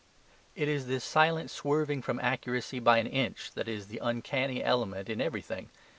It is this silent swerving from accuracy by an inch that is the uncanny element in everything.